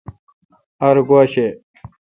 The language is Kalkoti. ار گوا شہ۔